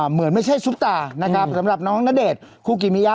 เหมือนไม่ใช่ซุปตานะครับสำหรับน้องณเดชน์คุกิมิยะ